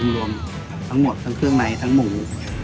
รวมทั้งหมดทั้งเครื่องในทั้งหมู่